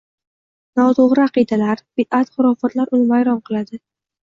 noto‘g‘ri aqidalar, bidʼat- xurofotlar uni vayron qiladi.